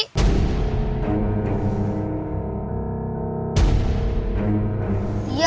nantabudok aku yakin itu pas